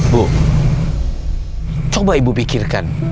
bu coba ibu pikirkan